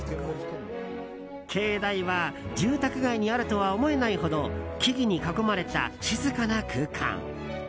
境内は住宅街にあるとは思えないほど木々に囲まれた静かな空間。